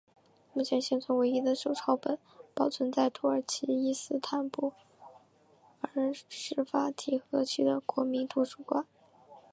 目前现存唯一的手抄本保存在土耳其伊斯坦布尔市法提赫区的国民图书馆。